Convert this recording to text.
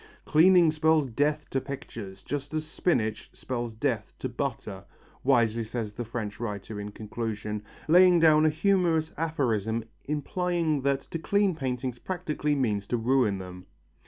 "Cleaning spells death to pictures, just as spinach spells death to butter," wisely says the French writer in conclusion, laying down a humorous aphorism implying that to clean paintings practically means to ruin them.